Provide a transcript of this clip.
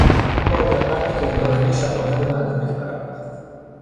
او با دقت به گردآوری شواهد و مدارک پرداخت.